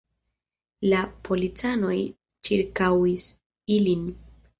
La policanoj ĉirkaŭis ilin.